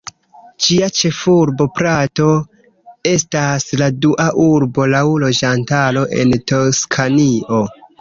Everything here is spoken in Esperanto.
Ĝia ĉefurbo, Prato, estas la dua urbo laŭ loĝantaro en Toskanio.